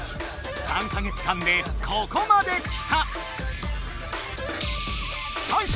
３か月間でここまできた！